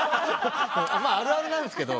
あるあるなんすけど。